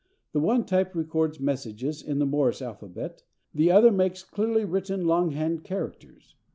The one type records messages in the Morse alphabet, the other makes clearly written longhand characters.